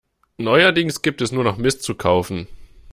Neuerdings gibt es nur noch Mist zu kaufen.